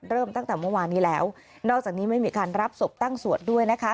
เริ่มตั้งแต่เมื่อวานนี้แล้วนอกจากนี้ไม่มีการรับศพตั้งสวดด้วยนะคะ